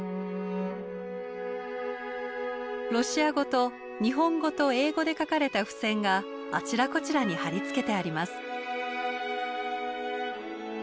ロシア語と日本語と英語で書かれた付箋があちらこちらに貼り付けてあります。